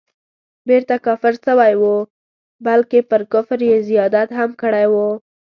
بیرته کافر سوی وو بلکه پر کفر یې زیادت هم کړی وو.